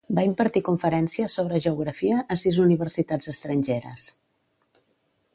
Va impartir conferències sobre geografia a sis universitats estrangeres.